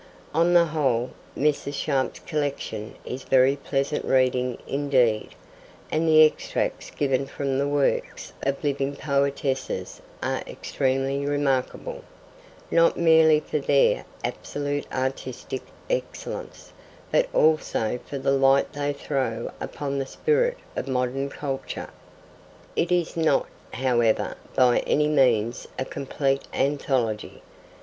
On the whole, Mrs. Sharp's collection is very pleasant reading indeed, and the extracts given from the works of living poetesses are extremely remarkable, not merely for their absolute artistic excellence, but also for the light they throw upon the spirit of modern culture. It is not, however, by any means a complete anthology.